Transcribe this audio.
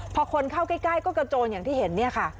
พอคนเข้าใกล้ก็กระโจนอย่างที่เห็นเนี่ยค่ะ